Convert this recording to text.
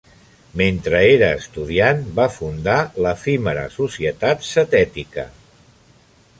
Mentre era estudiant, va fundar l'efímera Societat Zetètica.